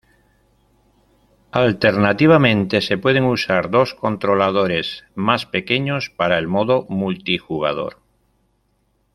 Alternativamente, se pueden usar dos controladores más pequeños para el modo multijugador.